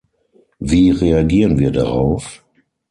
Wie reagieren wir darauf?